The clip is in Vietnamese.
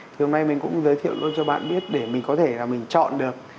thì hôm nay mình cũng giới thiệu luôn cho bạn biết để mình có thể là mình chọn được